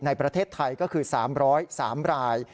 ในประเทศไทยก็คือ๓๐๓ราย